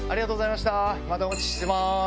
またお待ちしてます。